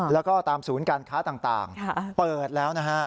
แล้วก็ตามศูนย์การค้าต่างเปิดแล้วนะฮะ